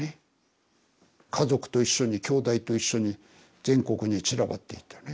家族と一緒にきょうだいと一緒に全国に散らばっていったね。